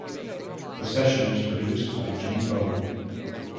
The session was produced by Jimmy Bowen.